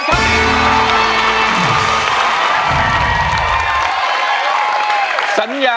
คุณยายแดงคะทำไมต้องซื้อลำโพงและเครื่องเสียง